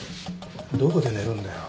どこで寝るんだよ。